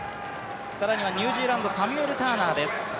さらにはニュージーランド、サミュエル・ターナーです。